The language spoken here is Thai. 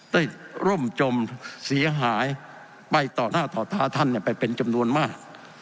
ร่มจมเสียหายไปต่อหน้าต่อท้าท่านไปเป็นจำนวนมาก